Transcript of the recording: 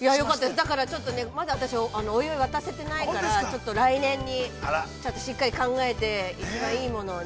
だから、まだ私、お祝い渡せてないからちょっと来年に、ちゃんとしっかり考えて、一番いいものをね。